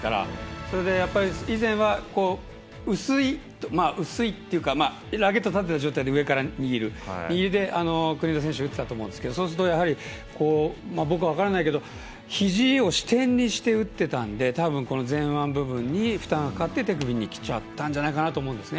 それで、以前は薄いというかラケット立てた状態で上から握る状態で国枝選手が打ってたと思うんですけどひじを支点にして打っていたので前腕部分に負担がかかって手首にきちゃったんじゃないかなと思うんですね。